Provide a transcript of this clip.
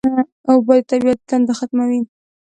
اوبه د طبیعت تنده ختموي